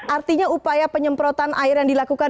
artinya upaya penyemprotan air yang dilakukan